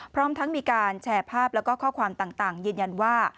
พร้อมทั้งมีการแชร์ภาพแล้วก็ข้อความต่างยืนยันว่า